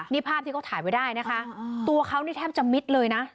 นี่ภาพที่เขาถ่ายไว้ได้นะคะตัวเขานี่แทบจะมิดเลยนะ